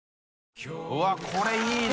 うわっこれいいな。